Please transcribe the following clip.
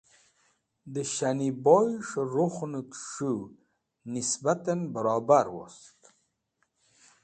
Dẽ Shni boyẽs̃h rukhnẽt s̃hũw nisbatẽn bẽrobar wost.